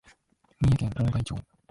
三重県大台町